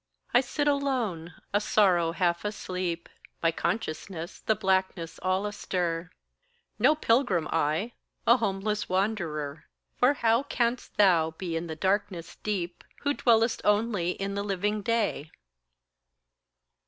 I sit alone, a sorrow half asleep, My consciousness the blackness all astir. No pilgrim I, a homeless wanderer For how canst Thou be in the darkness deep, Who dwellest only in the living day?